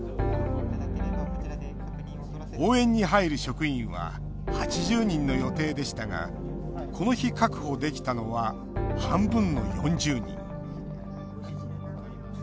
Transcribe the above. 応援に入る職員は８０人の予定でしたがこの日、確保できたのは半分の４０人。